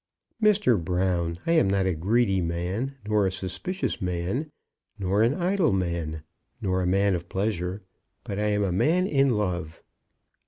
"Mr. Brown, I am not a greedy man, nor a suspicious man, nor an idle man, nor a man of pleasure. But I am a man in love."